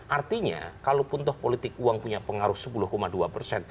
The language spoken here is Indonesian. artinya kalau pun toh politik uang punya pengaruh sepuluh dua persen